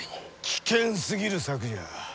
危険すぎる策じゃ。